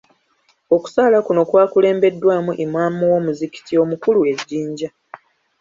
Okusaala kuno kwakulembeddwamu Imaam w'omuzikiti omukulu e Jinja.